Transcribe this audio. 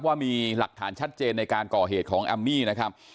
ว่ามีหลักฐานชัดเจนในการก่อเหตุของแอมมี่นะครับ